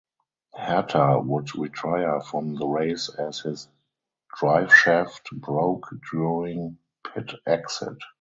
Herta would retire from the race as his driveshaft broke during pit exit.